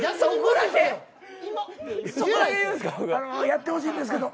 「やってほしいんですけど」